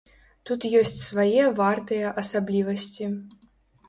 Тут ёсць свае вартыя асаблівасці.